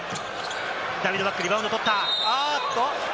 ダビドバック、リバウンド取った。